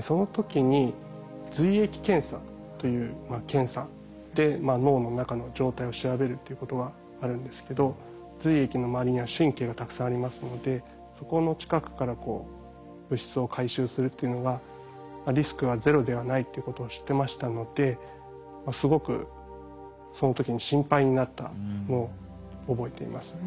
その時に髄液検査という検査で脳の中の状態を調べるっていうことがあるんですけど髄液の周りには神経がたくさんありますのでそこの近くから物質を回収するっていうのがリスクはゼロではないっていうことを知ってましたのですごくその時に心配になったのを覚えています。